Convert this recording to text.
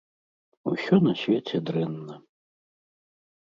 Усё на свеце дрэнна.